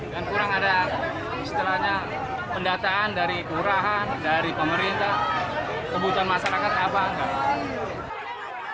dan kurang ada istilahnya pendataan dari kurahan dari pemerintah kebutuhan masyarakat apa enggak